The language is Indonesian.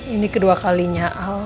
ini kedua kalinya al